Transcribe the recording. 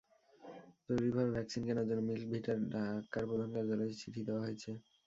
জরুরিভাবে vaccine কেনার জন্য milk ভিটার ঢাকার প্রধান কার্যালয়ে চিঠি দেওয়া হয়েছে।